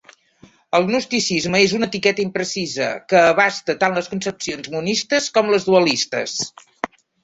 El gnosticisme és una etiqueta imprecisa, que abasta tant les concepcions monistes com les dualistes.